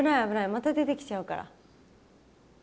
また出てきちゃうから。